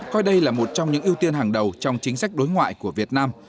coi đây là một trong những ưu tiên hàng đầu trong chính sách đối ngoại của việt nam